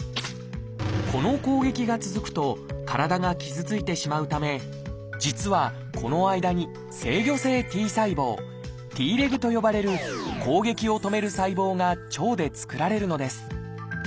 この攻撃が続くと体が傷ついてしまうため実はこの間に「制御性Ｔ細胞」と呼ばれる攻撃を止める細胞が腸で作られるのです。